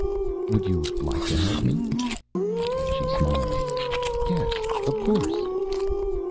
"Would you like to help me?" She smiled. "Yes. Of course."